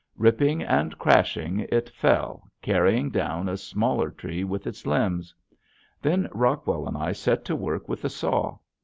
Ripping and crashing it fell carrying down a smaller tree with its limbs. Then Rockwell and I set to work with the saw.